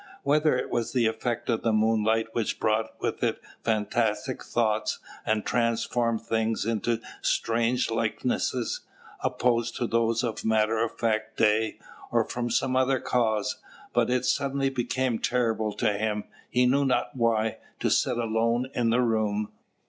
Whether it was the effect of the moonlight, which brought with it fantastic thoughts, and transformed things into strange likenesses, opposed to those of matter of fact day, or from some other cause, but it suddenly became terrible to him, he knew not why, to sit alone in the room.